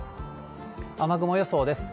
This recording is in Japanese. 雨雲予想です。